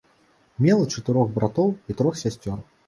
Мела чатырох братоў і трох сясцёр.